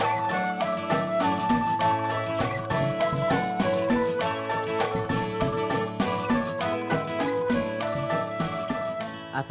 sedang beriya berubah